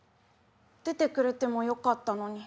出てくれてもよかったのに。